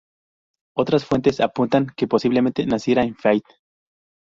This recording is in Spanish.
Otras fuentes, apuntan a que posiblemente naciera en Fayt.